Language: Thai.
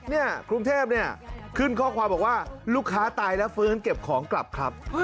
กรุงเทพเนี่ยขึ้นข้อความบอกว่าลูกค้าตายแล้วฟื้นเก็บของกลับครับ